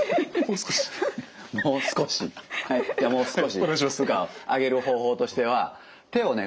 はいじゃあもう少し負荷を上げる方法としては手をね